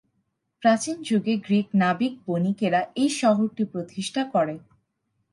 প্রাচীন যুগে গ্রিক নাবিক-বণিকেরা এই শহরটি প্রতিষ্ঠা করে।